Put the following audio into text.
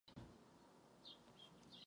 Trať je jednokolejná.